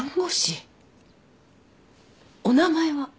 お名前は？